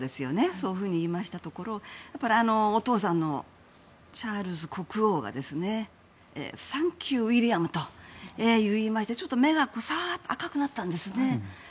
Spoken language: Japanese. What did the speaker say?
そういうふうに言いましたところお父さんのチャールズ国王がサンキュー・ウィリアムと言いまして目がサーっと赤くなったんですね。